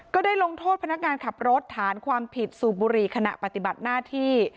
ก็ได้ลงโทษพนักงานขับรถฐานความผิดสูบบุหรี่ขณะปฏิบัติหน้าที่